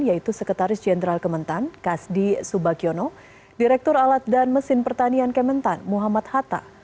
yaitu sekretaris jenderal kementan kasdi subagiono direktur alat dan mesin pertanian kementan muhammad hatta